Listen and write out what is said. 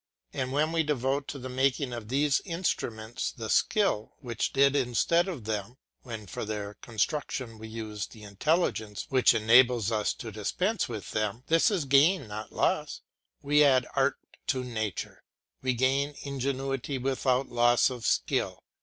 But when we devote to the making of these instruments the skill which did instead of them, when for their construction we use the intelligence which enabled us to dispense with them, this is gain not loss, we add art to nature, we gain ingenuity without loss of skill.